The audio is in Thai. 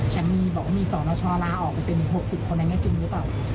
บอกว่ามีสนชลาออกไปเป็น๖๐คนนั้นจริงหรือเปล่า